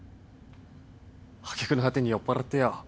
揚げ句の果てに酔っぱらってよ